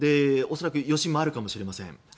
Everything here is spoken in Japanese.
恐らく余震もあるかもしれません。